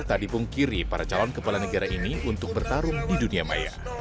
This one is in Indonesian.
tak dipungkiri para calon kepala negara ini untuk bertarung di dunia maya